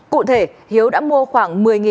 cụ thể hiếu đã mua khoảng